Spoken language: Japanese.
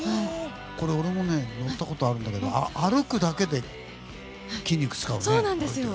俺も乗ったことあるんだけど歩くだけで筋肉使うよね。